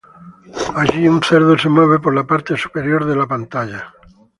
Allí, un cerdo se mueve por la parte superior de la pantalla.